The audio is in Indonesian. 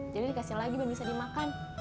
jadi dikasih lagi biar bisa dimakan